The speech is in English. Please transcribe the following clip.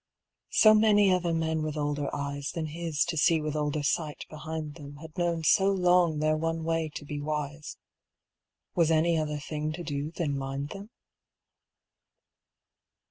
So many other men with older eyes Than his to see with older sight behind them Had known so long their one way to be wise, Was any other thing to do than mind them?